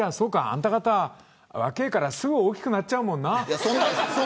あんたがた若いからすぐに大きくなっちゃうもんな。